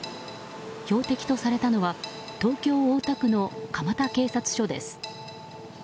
標的とされたのは東京・大田区の蒲田警察署です。